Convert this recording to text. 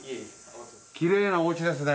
きれいなお家ですね。